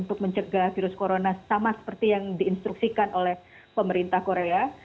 untuk mencegah virus corona sama seperti yang diinstruksikan oleh pemerintah korea